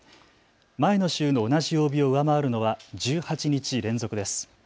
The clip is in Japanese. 前の週の同じ曜日を上回るのは１８日連続です。